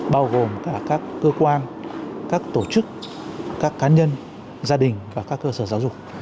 bao gồm cả các cơ quan các tổ chức các cá nhân gia đình và các cơ sở giáo dục